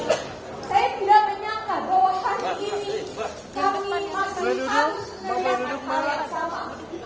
saya tidak menyangka bahwa saat ini kami harus memandu hal yang sama